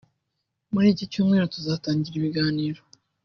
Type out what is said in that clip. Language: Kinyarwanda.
muri iki cyumweru tuzagira ibiganiro